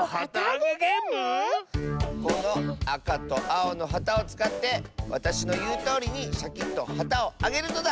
このあかとあおのはたをつかってわたしのいうとおりにシャキッとはたをあげるのだ！